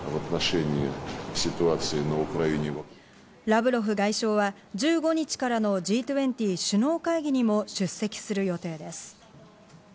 ラブロフ外相は１５日からのＧ２０首脳会議にも出席する予定です。